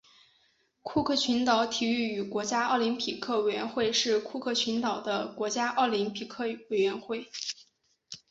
库克群岛体育与国家奥林匹克委员会是库克群岛的国家奥林匹克委员会。